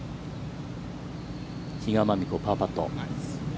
比嘉真美子、パーパット。